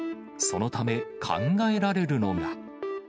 そのため、考えられるのが。